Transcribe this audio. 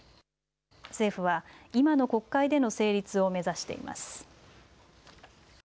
政府は今の国会での成立を目指しています。